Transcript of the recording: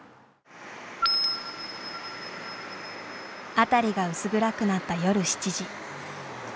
辺りが薄暗くなった夜７時。